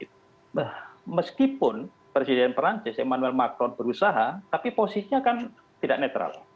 jadi meskipun presiden perancis emmanuel macron berusaha tapi posisinya kan tidak netral